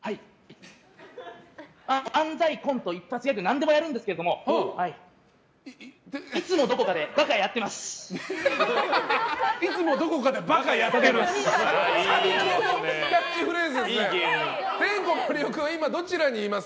漫才、コント、一発ギャグ何でもやるんですけどいつもどこかで馬鹿やってます。